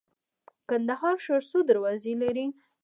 کندهار ښار څو دروازې لري؟